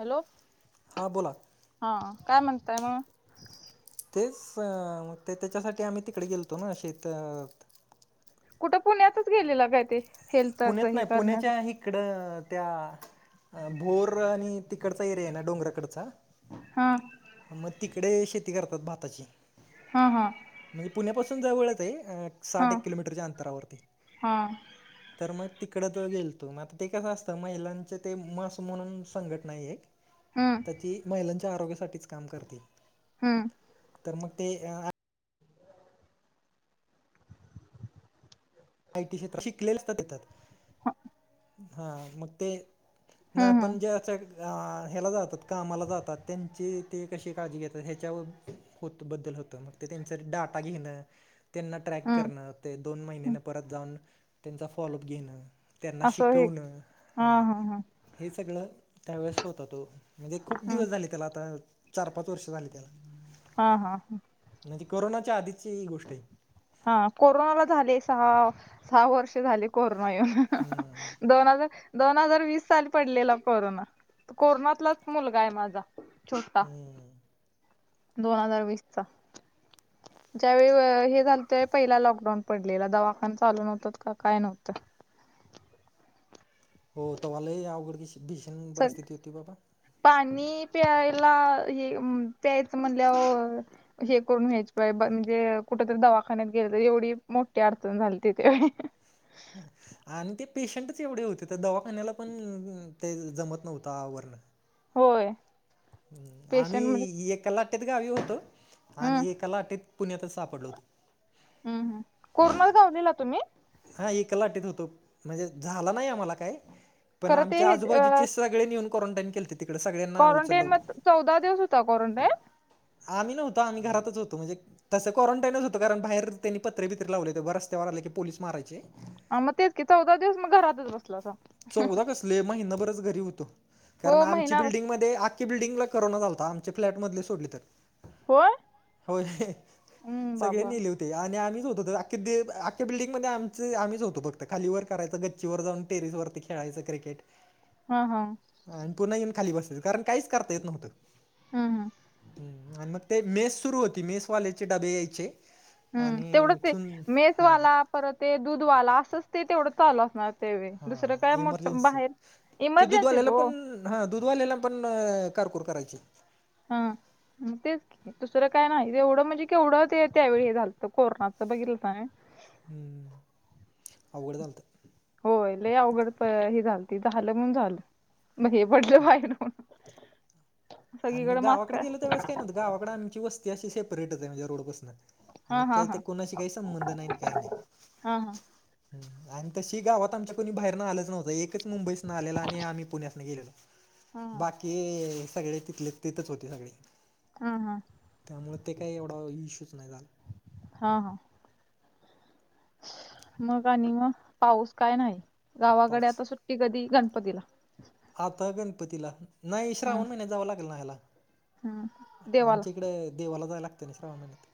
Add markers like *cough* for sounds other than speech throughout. Hello. हां बोला. हा. काय म्हणताय मग तेच अ मग त्याच्यासाठी आम्ही तिकडे गेलतो ना शेत कुठं पुण्यातच गेलेलं काय ते? हेल्थच पुण्यात हे नाही, करण्यात पुण्याच्या हिकडं त्या भोर आणि तिकडचा एरिया आहे ना डोंगराकडचा. हां. म तिकडे शेती करतात. भाताची. हा हां. म्हणजे पुण्यापासून जवळच आहे हा साठ एक किलोमीटरच्या अंतरावरती. हा. तर मग तिकड च गेलतो. मग आता ते कसं असतं, महिलांच ते मस म्हणून संघटना आहे एक. ह. तर ती महिलांच्या आरोग्यासाठीच काम करते. हम्. तर मग ते ह्या आय टी क्षेत्रात शिकलेले असतात तिथं. हम्म हा मग ते ना हम्म पण ज्या ह्याला जातात कामाला जातात त्यांची ते कशी काळजी घेतात ह्याच्यावर होत बद्दल होतं मग ते त्यांच डाटा घेणं. त्यांना ट्रॅक हम्म करणं ते दोन महिन्याने परत जाऊन त्यांचा फॉलोप घेणं. त्यांना असं हे शिकवणं हा हे सगळं त्यावेेळेस होत होत. म्हणजे खूप हम्म दिवस झाले त्याला आता चार- पाच वर्ष झाली त्याला. हा हा हा. म्हणजे कोरोनाच्या आधीची ही गोष्ट आहे. हा कोरोनाला झाले सहा सहा वर्ष झाले कोरोना येऊन हम्म दोन हजार दोन हजार वीस साली पडलेला कोरोना कोरोनातलाच मुलगा आहे माझा छोटा........ हम्म दोन हजार वीस चा ज्यावेळी हे झालतय पहिला लॉकडाऊन पडलेला दवाखाना चालू नव्हत काय नव्हतं. हो तवा लाय अवघड की भीषण सग परस्थिती होती बाबा पाणी प्यायला त्या्यायच म्हणल्यावर हे करून घ्यायच पाहि म्हणजे कुठ तरी दवाखान्यात गेलं तर एवढी मोठी अडचण झाली तथ आणि ते पेशंटच एवढे होते त्या दवाखान्याला पण ते जमत नव्हतं आवरण होय. ह् आम्ही पेशंट म्हणजे एकाला लाटेत गावी होतो हम्म आणि एकाला लाटेत पुण्यातच सापडलो होतो. हम् हम कोरोना गावलेला तुम्ही हा एक लाटेत होतो म्हणजे झाला नाही आम्हाला काय पण खरं ते आमच्या हे आजूबाजूचे स गळे नेहून कोरोनटाईन केलते. तिकडे सग करून टाईम मध्ये चौदा दिवस होता क्वारंटाईन आम्ही नव्हत आम्ही घरातच होतो म्हणजे तसं क्वारंटाईनच होतं कारण बाहेरनी पत्रे बित्रे लावले होते रस्त्यावर आले की पोलीस मारायचे. ह मग तेच की चौदा दिवस मग घरातच बसला अस महिनाभर घरी होत हो कारण आमची महिना बिल्डंगमध्ये आक्या बिल्डिंग ला करोना झालता आमच्या फ्लॅट मधले सोडले तर, होय होय..... हम्म सगळे बाबा नेले होते. आणि आम्हीच होत आक्के बिल्डिंग आमं आम्हीच होतो फक्त खाली वर करायंच गच्चीवर जाऊन वरती टेरेस वरती खेळायचं क्रिकेट हा हा आणि पुन्हा येऊन खाली बसेच काहीच करता येत नव्हतं. हम हम ह आणि मग ते मेस सुरू होती मेसवाल्याचे डबे यायचे. हम्म आणि तेवढंच ते ठेऊन हां मेसवाला परत ते दूधवाला असंच ते तेवढं चालू असणार. तेव दुसरं काय हां मोठ इमर्जन्सी बाहेर इमर्जन्सीच हो हा दूधवालेला पण कारकुर करायची. हा तेच की दुसरं काय नाही एवढं म्हणजे केवढं त्यावेळी हे झालत कोरोनाचं बघितलं की नाय. ह अवघड झालंत. होय लइ अवघड हे झालं त झालं म्हण झालं मग हे पडलं बाहेर आणि मग गावाकडे गेलो त्यावेळेस काही नाही गावाकडे आमची वस्ती अशी सेपरेटच ये म्हणजे रोडपासन मग हा हा काही ते हा कोणाशी काही संबंध नाही न काय नाय हा हा आणि तशी गावात आमच्या कोणी बाहेरन आलंच नव्हतं. एकच मुंबईसन आलेला आणि आम्ही पुण्यातन गेलेलो हा बाकी सगळे तेथच होते सगळे हा हा त्यामुळ ते काही एवढा इश्यूच नाही झालं हा हा मग आणि मग पाऊस काय नाही गावाकडे पाऊस आता सुट्टी कधी गणपतीला. आता गणपतीला नाही हम्म श्रावण महिन्यात जावं लागेल ना हयाला हम्म देवाला आमच्या इकडे देवाला जायला लागते ना श्रावण महिन्यात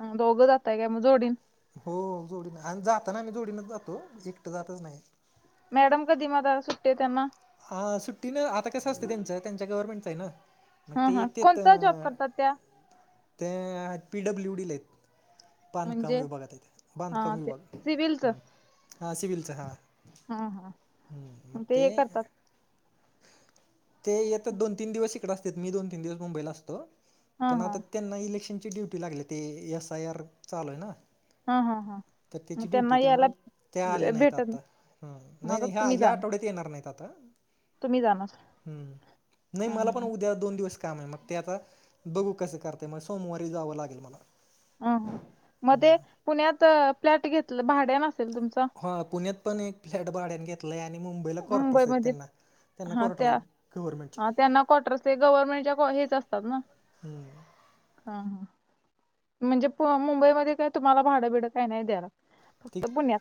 अ दोघं जातय का मग जोडीन हो जोडीन आणि जाताना आही जोडीनच जातो एकटं जातच नाही. मॅडम कधी मग सुट्टी त्यांना हा सुट्टी ना आता कसं असते त्यांचं त्यांच्या गव्हर्नमेंटच ये ना, मग हा ते हा येत ते कोणता जॉब करतात त्या ते पी डब्ल्यू डी ला येत बांधकाम म्हणजे विभागात आहे थे हा बांधकाम ते विभाग सिव्हिलच हा सिव्हलचा हा हा हा मग ते ते येत दोन तीन दिवस इकडे असते मी दोन तीन दिवस मुंबईला असतो हा पण हा आता त्यांना इलेक्शनची ड्युटी लागली ते एस आय आर चालू आहे ना हा हा हा तर मग त्याची ड्युटी त्यांना यायला त्यामुळे ते आले भे- नाहीत भेटत नाही. आता मग नाही आता नाही तुम्ही ह्या जाण आठवड्यात येणार नाहीत आता तुम्ही जाणार हम् नाही हा मला हा पण उद्या दोन दिवस काम आहे मग ते आता बघू कस करते मग सोमवारी जावं लागेल मला अ मध्ये पुण्यात फ्लॅट घेतलं भाड्यान आसेल तुमचा हा पुण्यात पण एक फ्लॅट भाड्यान घेतलाय आणि मुंबईला क्वार्टरस येत मुंबईमध्ये त्यांना त्यांना हा क्वार्टर्स त्या गव्हर्नमेंटचे ह त्यांना क्वार्टरसं ते गव्हर्नमेंटच्या हेच असतात ना हम्म हा हा म्हणजे मुंबईमध्ये काय तुम्हाला भाडं बिडं काय नाय द्यायला ठीक फक्त पुण्यात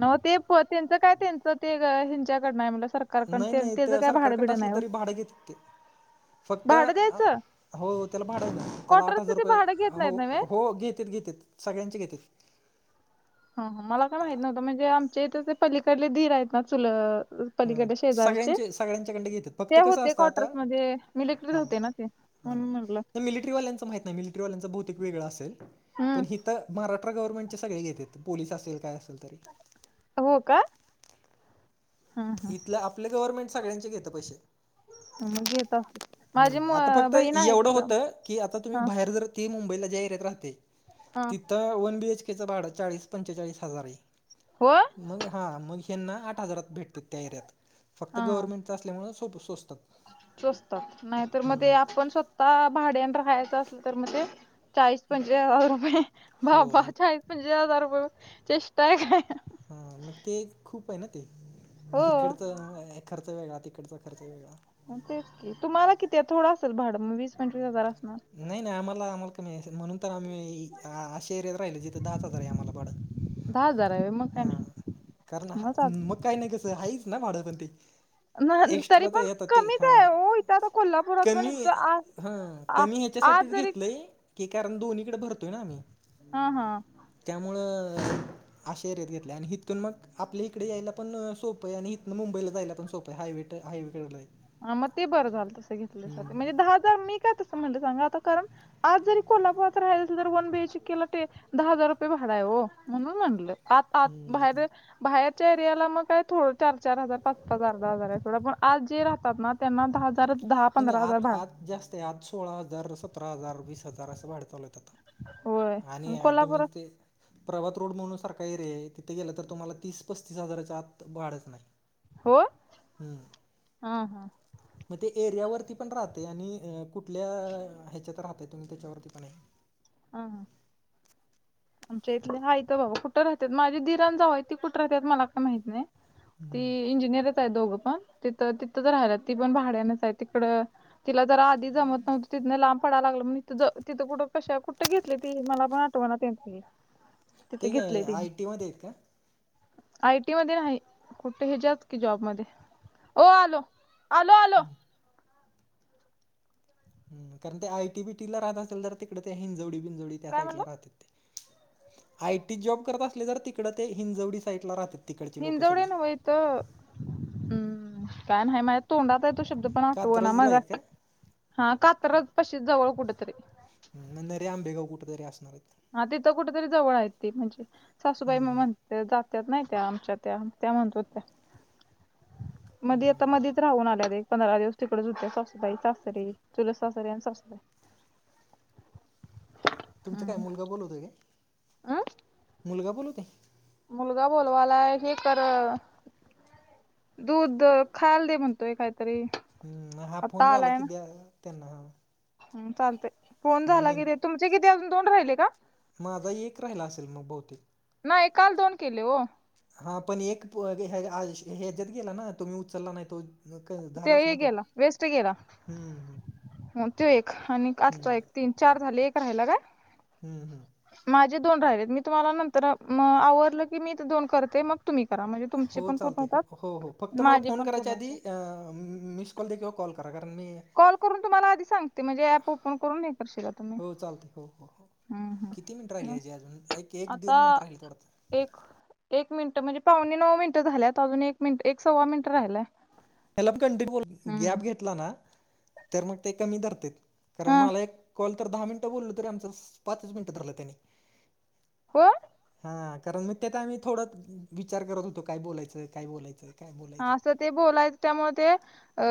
नव ते त्यांच काय त्यांच ते हच्याकडन हाय सर नाही नाही ते सरकारकडून असलं तरी भाडं घेतात ते फक्त भाडं द्यायचं? हो त्याला भाड ना त्याला आठ क्वार्टरचं हजार जर ते भाडं का घेत नाहीत हो नव्हे? हो घेत घेत सगळ्यांचे घेतात ह मला काय माहित नव्हतं म्हणजे आमचे इथ ते पलीकडले दीर आहेत ना चुलत हां पलीकडे शेजारचे सगळ्यांचे सगळ्यांच्याकडं घेतात फक्त ते कसं होते असतं क्वार्टर मध्ये मिलटरीत होते ना ते हा म्हणून म्हटलं. नाही मिलिटरीवाल्यांच माहित नाही मिलिटरीवाल्यांच बहुतेक वेगळं असेल हम्म पण हि तर महाराष्ट्र गवर्नमेंट चे सगळे घेतात पोलीस असेल काय असेल तरी हो का हा हा इथलं आपले गवर्नमेंट सगळ्यांचे घेतं पैसे मग घेतात हम्म आता फक्त एवढं होत की आता तुम्ही हा बाहेर जर ती मुंबईला ज्या एरियात राहते हा तिथं वन बी एच के चे भाड चाळीस पंचेचाळीस हजार ये हो मग हा मग हना आठ हजारात भेटते त्या एर्यात फक्त हा हा गव्हर्नमेंटचा असल्यामुळे सो सोचतात नाही तर मग ते आपण स्वतः भाड्यान राहायचं असल तर मग ते चाळीस पंवीस हजार रुपये बा हो बा मग चाळीस पंवीस हजार रुपये चेष्टा आहे काय हा मग ते खूप आहे ना ते हो इकड तर खर् वेगळा तिकटचा खर्च वेगळा तेच की तुम्हाला किती थोडं असेल भाडं मग वीस पंचवीस हजार असणार नाही नाही आम्हाला आम्हाला का नाही म्हणून तर आम्ही हा शेरत राहिले जिथं दच हजार आहे आम्हाला बड दहा हजार आहे मग काय हा नाही कारण मग काही नाही तस हाच ना माडं पण ते चाल तरी एक्स्ट्रा तर पण येत ते कमीच हा आहे हो इथं आता कोल्हापुरात पण कमी इथं आ हा आ कमी आज ह्याच्यासाठीच जरी घेतलय की कारण दोन्हीकडे भरतोय ना आम्ही हा हा त्यामुळं अशा एरियात घेतल आणि हथून मग आपल्या इकडे यायला पण सोप आहे आणि इथन मुंबईला जायला पण सोप हायवे हायवे कडेला ये हा मग ते बरं झालं तस घेतल्या म्हणजे दहा हजार मी काय तसं म्हटलं सांगा आता कारण आज जरी कोल्हापुरात राहिय तर वन बी एच केला दहा हजार रुपये भाडा आहे हो म्हणून म्हटलं आ आ हम्म बाहेर हम्म. बाहेरच्या एरियाला मग काय थोडं चार चार हजार पाच पाच अर्धा हजार आहे थोडं पण आज जे राहतात ना त्यांना दहा हजार दहा पंधरा हजार भाग ते आज सोळा हजार सतरा हजार वीस हजार असं भाड्या चावलतात होय आणि तुम्ही कोल्हापुरात ते प्रभात रोड म्हणून सारखा एरे आहे तिथे गेलं तर तुम्हाला तीस पस्तीस हजाराच्या आत वाढत नाही हो हम्म हा हा एरियावररती पण राहते आणि कुठल्या ह्याच्यात राहते तुम्ही त्याच्यावरती पण आहे ह हां आमच्या इथले हाय तर बाबा कुठं राहतात माझी धराण जाऊय ती कुठ राहात मला काय माहती नाही ती इंजिनियरच आहे दोघं पण तिथं तिथंच राहिला ती पण भाड्यानच आहे तिकड तिला जरा आधी जमत नव्हतं तिथं लांब पडा लागलं मग तथं कुठं कशा कुठ घेतले ती मला पण आठव तिथे ते काय घेतले तिने आय टी मध्ये आहेत का? आयटी मध्ये नाही कुठे हिच्याात की जॉबमध्ये आलो आलो आल ह् हम कारण ते आयटीबीटी ला राहत असेल तर तिकडे ते हिंजवडी बिंजोडी त्या काय म्हणला साईडला राहतेात ते आय टी जॉब करत असले तर तिकडं ते हिंजवडी साईडला राहात हिंजवडे नव इथ हम् काय नाही माझ्या तोंडात तो शब्द पण आठव ना कात्रजला मगा आहेत का? हा कात पशी जवळ कुठेतरी नाही रे आमबेगा कुठेतरी असणार आहेत हा तिथं कुठ तरी जवळ आहेत ते म्हणजे सासूबाई हम्म हम्म म्हण जात नाही त्या आमच्या त्या त्या म्हणतो त्या मध आता हम्म मध राहून आल्या पंधरा दिवस तिकडे झुत सासूबाई सासरी तुला सासरी आणि सासूई तुमचा काय हम्म मुलगा बोलतय काी अं मुलग बोलो ते मुलगा बोलवालाय हे कर दूध खायला दे म्हणतोय काहीतरी हम् हा आता फोन झाला क्या त्यांना हा हम् चालते फोन मग झाला नं कि तुमचे किती अजून तोंड राहिले का माझा एक राहिला असेल मग बहुतेक नाई काल दोन केले ओ हा पण एक प ह्या ह्या ह्याज्यात गेला ना तुम्ही उचलला नाही तो. नकळत ते हे गेला वेस्ट गेला. हम्म हम् हो त्यो एक आणि आजचा एक, तीन, चार झाले एक राहिला काय? हम्म हम् माझे दोन राहिले मी तुम्हाला नंतर आवरलं की मी ते दोन करते मग तुम्ही करा म्हणजे हो तुमचे पण पूर्ण चालते होतात हो हो फक्त मला माझे फोन पण पूर्ण करायच्या आधी होतात म म मिस *unintelligible* कॉल करा कारण मी कॉल करून तुम्हाला आधी सांगते म्हणजे ऍप ओपन करून हे नाही करशील का तुम्ही हो चालतंय हो हो हो हम्म हम्म किती मिनिट राहिली मग आहेजे अजून एक आता दोन मिनट राहिली थोडतं एक एक मिनिट म्हणजे पावणे नऊ मिनिटं झाल्यायत अजून एक मिनट एक सव्वा मिनट राहिलाय त्याला पण कंटी बोल गॅप हम्म घेतला ना तर मग ते कमी धरते कारण हा मला एक कॉल तर दहा मिनिटं बोलल तरी आमचं पाचच मिनिटं धरलं त्यानी हो हा कारण मग त्याचा आम्ही थोडत विचार करत होतो काय बोलायचंय काय बोलायचंय काय बोलायचं तर ते बोलायच त्यामुळे ते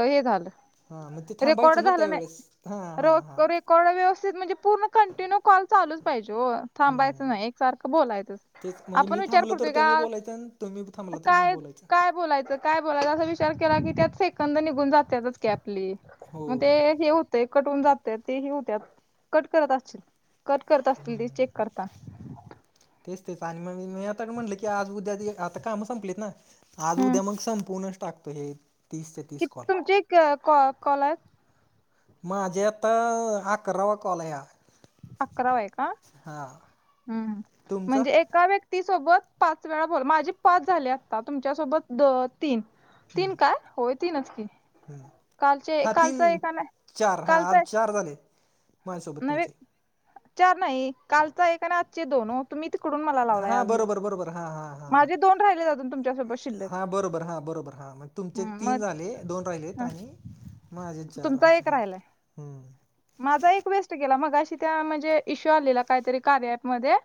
हे झालं. हा मग ते थांबायचं ना त्यावेेळेस हा हा हा रेकॉ रेकॉर्ड व्यवस्थित म्हणजे पूर्ण कंटिन्यू कॉल चालूच पाहिजे ओ हम्म थांबायचं नाही. सारखं बोलायचंच तेच म्हणजे आपण मी विचार थांबलो तर करतोय तुम्ही का बोलायचं आणि तुम्ही थांबला तर मी काय बोलायचं काय बोलाय. काय बोलायच अस विचार केला की त्यात सेकंद निघून जात्यातच की आपली हो मग ते ते कटहून जात्यात ते हे होत्यात कट करत असतील कट करत असतील ते हम्म चेक करता तेच तेच आणि मग मी आता न म्हटलं की आज, उद्या आता काम संपलेत ना. आज हम्म उद्या मग संपवूनच टाकतो हे तीसचे तीस किती कॉल तुमचे अ कॉ कॉ कॉल आहेत. माझ्या आता अ अकरावा कॉलय हा अकरावा आहे का हा तुमचा म्हणजे एका व्यक् ती सोबत पाच वेळा बोल माझे पाच झाले आता तुमच्यासोबत दो तीन हम्म, तीन काय होय तीनच की. हम्म. कालचे हा कालचं तीन एक अन् चार हा कालच आज एक चार झाले माझ्यासोबत नव्हे तुमचे चार नाही कालचा एक आणि आजचे दोन ओ. तुम्ही तिकडून मला लावलाय हा आज ह्यो बरोबर बरोबर हा हा हा हा माझे दोन राहिले आजुन तुमच्यासोबत शिल्लक. हा बरोबर हा बरोबर हा म तुमचे हम्म तीन मग झाले, दोन राहिलेत आणि माझे चार तुमचा असे एक हा राहिलाय हम्म माझा एक वेस्ट गेला मगाशी त्या म्हणजे इश्यू आलेला काहीतरी कार्या ऍपमध्ये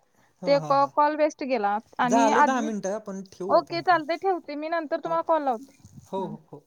हा ते हा कॉ हा कॉल वेस्ट गेला आणि झाले दहा आधी मिनटं पण ठेवू ओके आपण फोन चालते ठेवते मी नंतर तर हो तुम्हाला कॉल लावते. हो हो हो